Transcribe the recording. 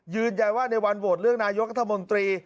ยืนใจว่าในวันโหวตเรื่องนายกธมนตรี